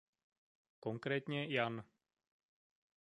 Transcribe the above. Konkrétně Jan.